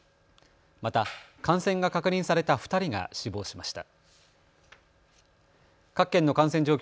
また感染が確認された２人が死亡しました。